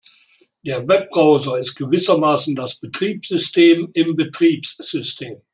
Der Webbrowser ist gewissermaßen das Betriebssystem im Betriebssystem.